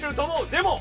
でも！